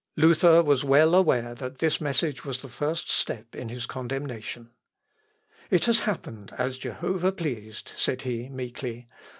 Luther was well aware that this message was the first step in his condemnation. "It has happened as Jehovah pleased," said he meekly.